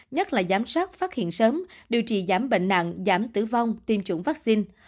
nhất là giám sát phát hiện sớm điều trị giảm bệnh nặng giảm tử vong tiêm chủng vaccine